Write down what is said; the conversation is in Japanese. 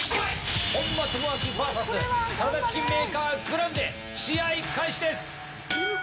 本間朋晃ＶＳサラダチキンメーカーグランデ試合開始です！